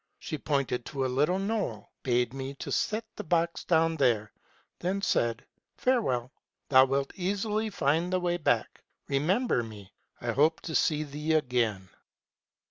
She pointed to a little knoll, bade me set the box down there, then said, ' Farewell ! Thou wilt easily find the way back ; remember me ; I hope to see thee again.'